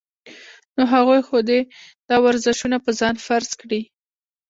نو هغوي خو دې دا ورزشونه پۀ ځان فرض کړي -